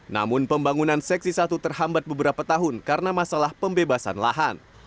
namun pembangunan seksi satu terhambat beberapa tahun karena masalah pembebasan lahan